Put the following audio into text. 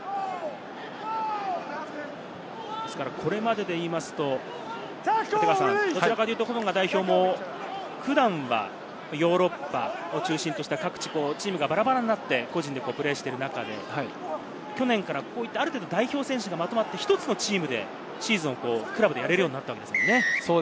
ですから、これまででいいますと、トンガ代表も普段はヨーロッパを中心とした各チームがバラバラになって個人でプレーしている中で、去年からある程度、代表選手がまとまってシーズンをクラブでやれるようになったわけですもんね。